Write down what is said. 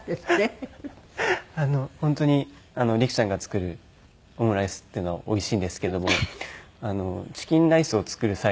本当に璃来ちゃんが作るオムライスっていうのはおいしいんですけどもチキンライスを作る際にご飯がそこら中に飛んでいて。